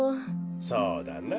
そうだなあ。